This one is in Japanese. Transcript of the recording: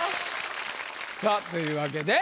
さぁというわけで。